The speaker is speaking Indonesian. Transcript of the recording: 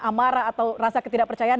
amarah atau rasa ketidakpercayaan